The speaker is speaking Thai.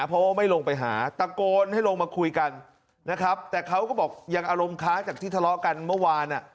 เพราะว่าไม่ลงไปหาตะโกนให้ลงมาคุยกันนะครับแต่เขาก็บอกยังอารมณ์ค้าจากที่ทะเลาะกันเมื่อวาน